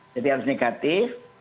jadi harus negatif